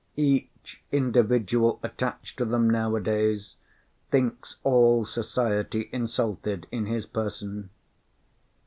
Each individual attached to them nowadays thinks all society insulted in his person.